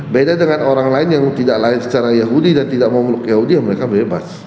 beda dengan orang lain yang tidak lain secara yahudi dan tidak memeluk yahudi ya mereka bebas